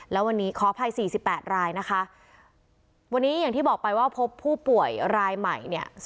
แล้ววันนี้ขออภัย๔๘รายนะคะวันนี้อย่างที่บอกไปว่าพบผู้ป่วยรายใหม่เนี่ย